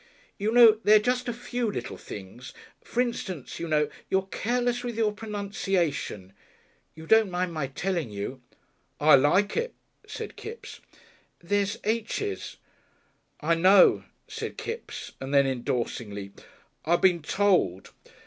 "You know, there are just a few little things. For instance, you know, you are careless with your pronunciation.... You don't mind my telling you?" "I like it," said Kipps. "There's aitches." "I know," said Kipps, and then, endorsingly, "I been told.